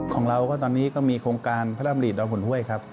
ของเราก็ตอนนี้ก็มีโครงการเผื่อรัมรีดดอหุ่นห่วย